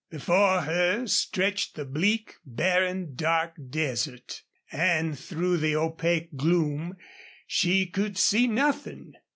Before her stretched the bleak, barren, dark desert, and through the opaque gloom she could see nothing.